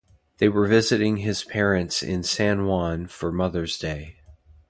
They were visiting his parents in San Juan for Mother's day.